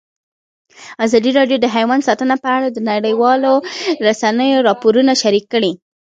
ازادي راډیو د حیوان ساتنه په اړه د نړیوالو رسنیو راپورونه شریک کړي.